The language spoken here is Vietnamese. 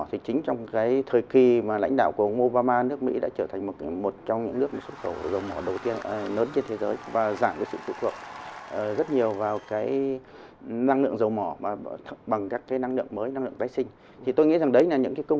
thì chính trong thời kỳ lãnh đạo của ông obama nước mỹ đã trở thành một trong những nước xuất khẩu dầu mỏ đầu tiên lớn trên thế giới